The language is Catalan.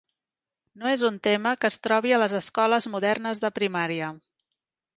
No és un tema que es trobi a les escoles modernes de primària.